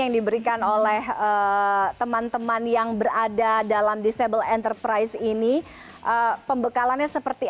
yang diberikan oleh teman teman yang berada dalam disable enterprise ini pembekalannya seperti